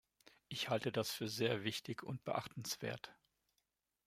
Ich halte das für sehr wichtig und beachtenswert.